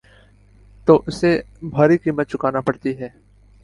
تو اسے بھاری قیمت چکانا پڑتی ہے۔